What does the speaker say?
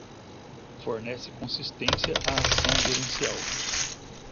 Fornece consistência à ação gerencial